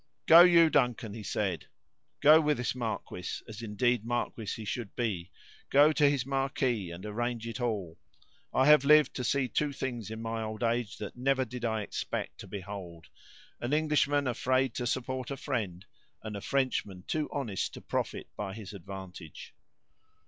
"Go you, Duncan," he said; "go with this marquess, as, indeed, marquess he should be; go to his marquee and arrange it all. I have lived to see two things in my old age that never did I expect to behold. An Englishman afraid to support a friend, and a Frenchman too honest to profit by his advantage."